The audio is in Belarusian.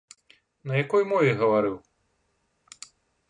На якой мове гаварыў?